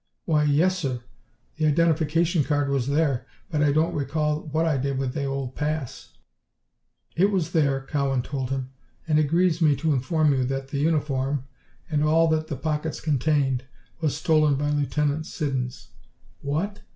"Why yes, sir. The identification card was there, but I don't recall what I did with that old pass." "It was there," Cowan told him, "and it grieves me to inform you that the uniform, and all that the pockets contained, was stolen by Lieutenant Siddons." "What!